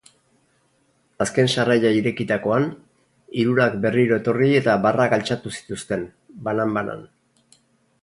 Azken sarraila irekitakoan, hirurak berriro etorri eta barrak altxatu zituzten, banan-banan.